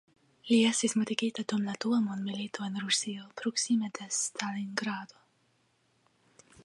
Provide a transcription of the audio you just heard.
Li estis mortigita dum la Dua mondmilito en Rusio proksime de Stalingrado.